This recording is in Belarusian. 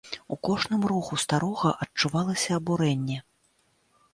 У кожным руху старога адчувалася абурэнне.